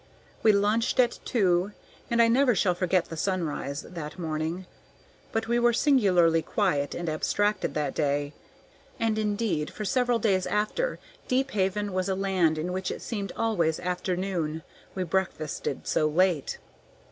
We lunched at two, and I never shall forget the sunrise that morning; but we were singularly quiet and abstracted that day, and indeed for several days after Deephaven was "a land in which it seemed always afternoon," we breakfasted so late.